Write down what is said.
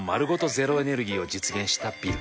ゼロエネルギーを実現したビル。